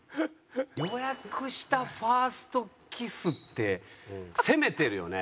「予約したファーストキス」って攻めてるよね。